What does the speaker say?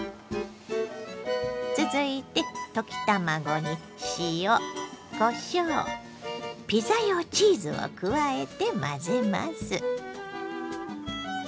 続いて溶き卵に塩こしょうピザ用チーズを加えて混ぜます。